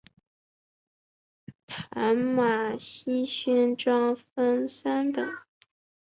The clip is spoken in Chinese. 淡马锡勋章分三等。